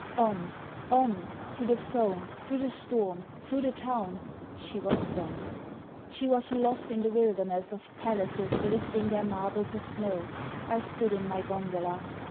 On! On! Through the foam, through the storm, through the town, She was gone. She was lost in the wilderness Of palaces lifting their marbles of snow. I stood in my gondola.